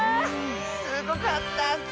すごかったッス！